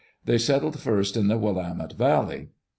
They settled first in the Willamette Valley.